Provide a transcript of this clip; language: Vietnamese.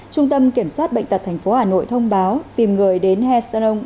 trung tâm kiểm soát bệnh tật tp hà nội thông báo tìm người đến hecron